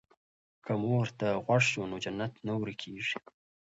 که مور ته غوږ شو نو جنت نه ورکيږي.